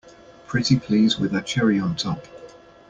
Pretty please with a cherry on top!